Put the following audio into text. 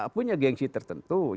punya gengsi tertentu